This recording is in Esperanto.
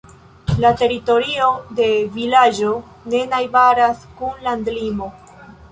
La teritorio de vilaĝo ne najbaras kun landlimo.